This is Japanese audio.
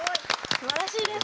すばらしいです！